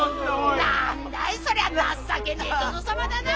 何だいそりゃ情けねえ殿様だな！